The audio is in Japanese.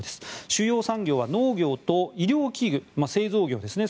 主要産業は農業と医療器具製造業ですね